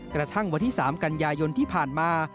กระทั่งวันที่๓กันยายนที่ผ่านมา